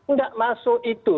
nggak masuk itu